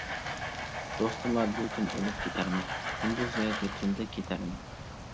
دوستلار بىر كۈن ئۆلۈپ كېتەرمەن، كۈندۈز ياكى تۈندە كېتەرمەن.